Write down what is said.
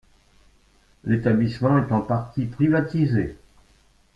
L'établissement est en partie privatisé.